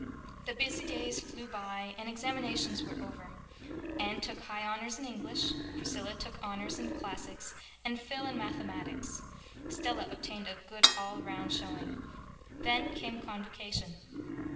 The busy days flew by and examinations were over. Anne took High Honors in English. Priscilla took Honors in Classics, and Phil in Mathematics. Stella obtained a good all round showing. Then came Convocation.